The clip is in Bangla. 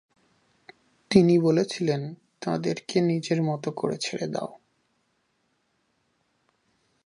তিনি বলেছিলেন, ' তাঁদেরকে নিজের মতো করে ছেড়ে দাও।